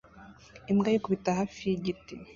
Imbwa yikubita hafi yigiti